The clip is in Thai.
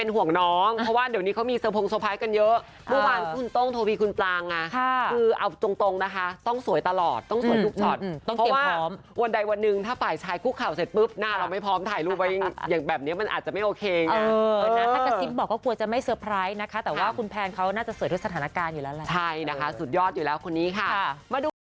ต้องสวดลูกช็อตเพราะว่าต้องเตรียมพร้อมวันใดวันหนึ่งถ้าป่ายชายคุกข่าวเสร็จปุ๊บหน้าเราไม่พร้อมถ่ายรูปไว้อย่างแบบเนี้ยมันอาจจะไม่โอเคเนี้ยเออเออถ้ากระซิบบอกก็กลัวจะไม่เซอร์ไพรส์นะคะแต่ว่าคุณแพงเขาน่าจะสวยทุกสถานการณ์อยู่แล้วแหละใช่นะคะสุดยอดอยู่แล้วคนนี้ค่ะค่ะมาดู